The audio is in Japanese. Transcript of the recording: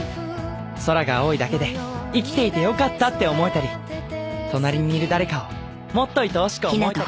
空が青いだけで生きていてよかったって思えたり隣にいる誰かをもっと愛おしく思えたりする